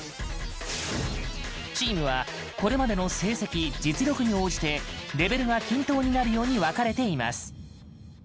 チームはこれまでの成績、実力に応じてレベルが均等になるように分かれています。